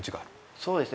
そうですね